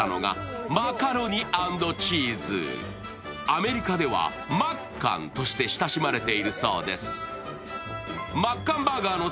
アメリカではマッカンとして親しまれているそうです。